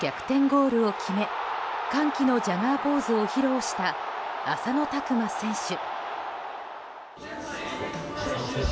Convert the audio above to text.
ゴールを決め歓喜のジャガーポーズを披露した浅野拓磨選手。